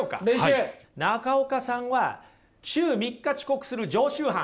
中岡さんは週３日遅刻する常習犯。